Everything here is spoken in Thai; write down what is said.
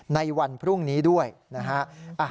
ในวันพรุ่งนี้ด้วยนะฮะ